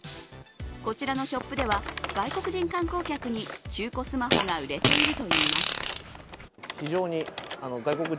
こちらのショップでは、外国人観光客に中古スマホが売れているといいます。